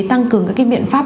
tăng cường các biện pháp